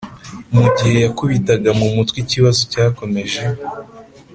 mugihe yakubitaga mumutwe ikibazo cyakomeje,